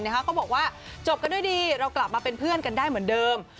เขาบอกว่าจบกันด้วยดีเรากลับมาเป็นเพื่อนกันได้เหมือนเดิม